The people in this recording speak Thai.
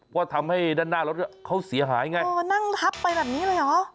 ว่าทำให้ด้านหน้ารถเขาเสียหายไงเออนั่งทับไปแบบนี้เลยเหรอ